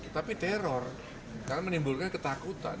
tapi teror kan menimbulkan ketakutan